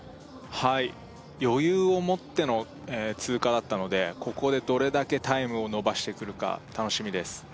はい余裕をもっての通過だったのでここでどれだけタイムを伸ばしてくるか楽しみです